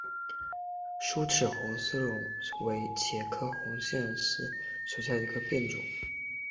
疏齿红丝线为茄科红丝线属下的一个变种。